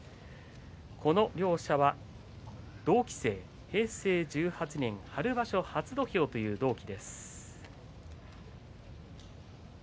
この両者は同期生、平成１８年春場所初土俵という同期です。